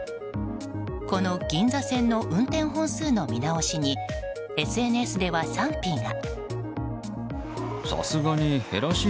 この銀座線の運転本数の見直しにＳＮＳでは賛否が。